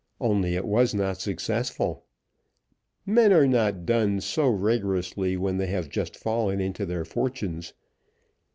Only it was not successful. Men are not dunned so rigorously when they have just fallen into their fortunes.